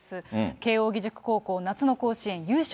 慶応義塾高校、夏の甲子園優勝